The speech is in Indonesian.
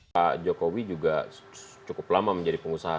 pak jokowi juga cukup lama menjadi pengusaha